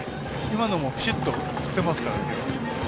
今のもピシッと振ってますからね。